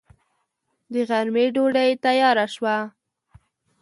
د غرمې ډوډۍ تياره شوه.